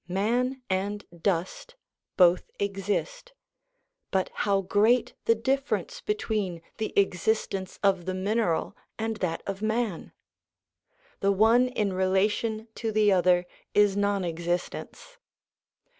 Man and dust both exist, but how great the difference between the existence of the mineral and that of man ! The one in relation to the other is non existence.